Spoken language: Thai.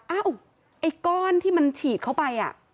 อ้าวไอ้ก้อนที่มันฉีดเข้าไปอะ